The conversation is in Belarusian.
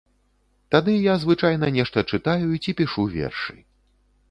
Тады я звычайна нешта чытаю ці пішу вершы.